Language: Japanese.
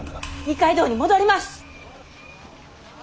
二階堂に戻ります！